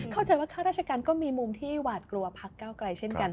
เข้าใจว่าข้าราชการก็มีมุมที่หวาดกลัวพักเก้าไกลเช่นกัน